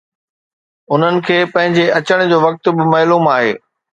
انهن کي پنهنجي اچڻ جو وقت به معلوم آهي